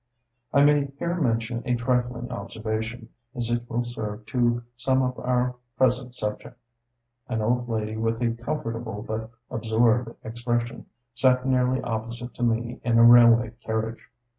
I may here mention a trifling observation, as it will serve to sum up our present subject. An old lady with a comfortable but absorbed expression sat nearly opposite to me in a railway carriage.